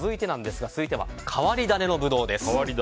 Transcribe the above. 続いては変わり種のブドウです。